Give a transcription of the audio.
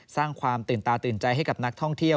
สร้างความตื่นตาตื่นใจให้กับนักท่องเที่ยว